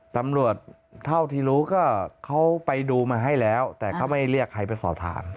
ตำรวจเท่าที่รู้ก็เขาไปดูมาให้แล้วแต่เขาไม่เรียกใครไปสอบถาม